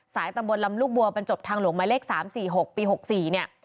ตำบลลำลูกบัวบรรจบทางหลวงหมายเลข๓๔๖ปี๖๔เนี่ย